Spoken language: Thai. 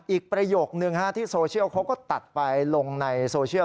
ประโยคนึงที่โซเชียลเขาก็ตัดไปลงในโซเชียล